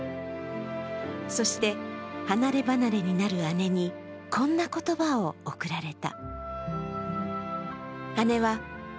そして離れ離れになる姉にこんな言葉を贈られた。